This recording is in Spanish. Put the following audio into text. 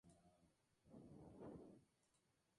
San Juan de Dios es una zona mayormente residencial.